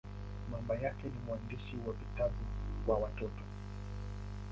Mama yake ni mwandishi wa vitabu kwa watoto.